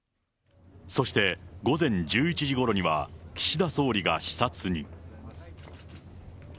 そして、午前１１時ごろには、岸田総理が視察に。